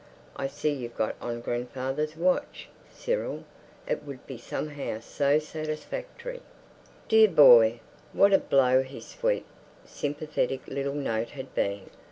"I see you've got on grandfather's watch, Cyril." It would be somehow so satisfactory. Dear boy! What a blow his sweet, sympathetic little note had been!